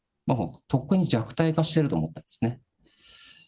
とっくに弱体化してると思ったんですね。